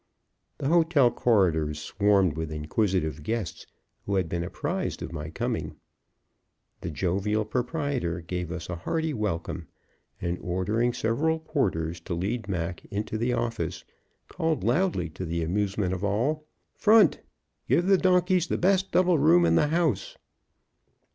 The hotel corridors swarmed with inquisitive guests who had been apprised of my coming. The jovial proprietor gave us a hearty welcome, and, ordering several porters to lead Mac into the office, called loudly, to the amusement of all, "Front! Give the donkeys the best double room in the house."